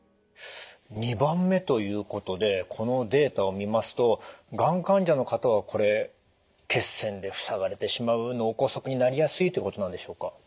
２番目ということでこのデータを見ますとがん患者の方はこれ血栓で塞がれてしまう脳梗塞になりやすいってことなんでしょうか？